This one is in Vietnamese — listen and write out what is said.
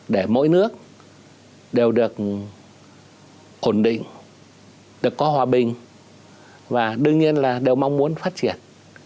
để mỗi nước đều được ổn định được có hòa bình và đương nhiên là đều mong muốn phát triển